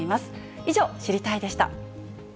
以上、知りたいッ！でした。